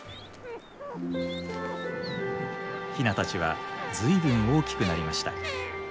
ヒナたちはずいぶん大きくなりました。